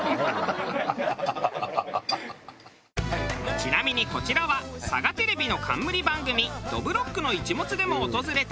ちなみにこちらはサガテレビの冠番組『どぶろっくの一物』でも訪れたお店。